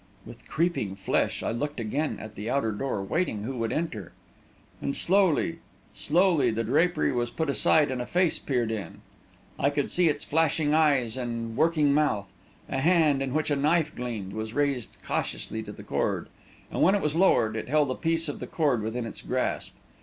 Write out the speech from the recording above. With creeping flesh, I looked again at the outer door, waiting who would enter. And slowly, slowly, the drapery was put aside, and a face peered in. I could see its flashing eyes and working mouth. A hand, in which a knife gleamed, was raised cautiously to the cord, and when it was lowered, it held a piece of the cord within its grasp.